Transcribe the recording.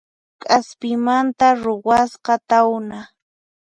K'aspimanta ruwasqa tawna